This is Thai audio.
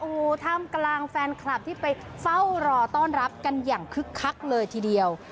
โอ้โหท่ามกลางแฟนคลับที่ไปเฝ้ารอต้อนรับกันอย่างคึกคักเลยทีเดียว